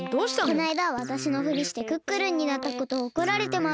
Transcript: このあいだわたしのふりしてクックルンになったことをおこられてます。